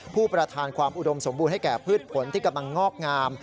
ประธานความอุดมสมบูรณ์ให้แก่พืชผลที่กำลังงอกงาม